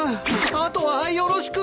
あとはよろしく。